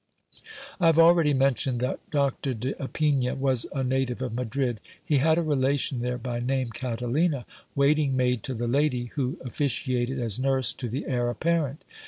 I have already mentioned that Doctor de Ipigna was a native of Madrid. He had a relation there, by name Catalina, waiting maid to the lady who of ficiated as nurse to the heir apparent.